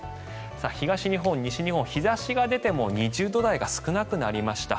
東日本、西日本、日差しが出ても２０度台が少なくなりました。